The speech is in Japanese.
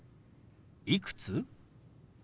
「いくつ？」。